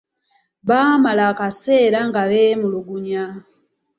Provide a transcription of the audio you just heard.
Baamala akaseera nga beemulugunya.